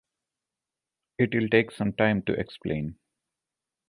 It'll take some time to explain.